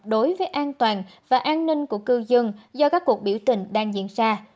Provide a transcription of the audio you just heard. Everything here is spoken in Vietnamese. đối với an toàn và an ninh của cư dân do các cuộc biểu tình đang diễn ra